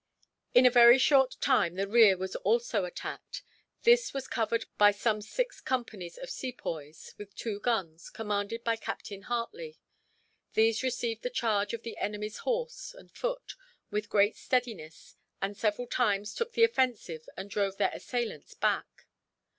In a very short time the rear was also attacked. This was covered by some six companies of Sepoys, with two guns, commanded by Captain Hartley. These received the charge of the enemy's horse and foot with great steadiness and, several times, took the offensive and drove their assailants back.